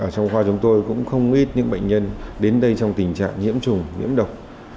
trong khoa chúng tôi cũng không ít những bệnh nhân đến đây trong tình trạng nhiễm trùng nhiễm độc